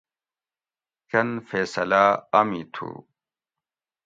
چند فیصلاۤ امی تُھو